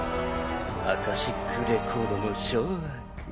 アカシックレコードの掌握。